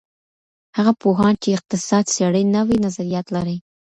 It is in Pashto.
هغه پوهان چی اقتصاد څېړي نوي نظريات لري.